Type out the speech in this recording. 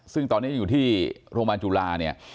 ซึ่งตอนนี้อยู่ที่โรงพยาบาลจุฬาเนี่ย